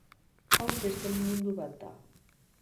Hau beste mundu bat da.